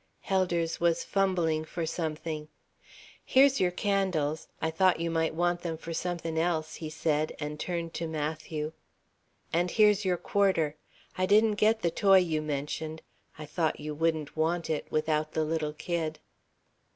Helders was fumbling for something. "Here's your candles, I thought you might want them for somethin' else," he said, and turned to Matthew: "And here's your quarter. I didn't get the toy you mentioned. I thought you wouldn't want it, without the little kid."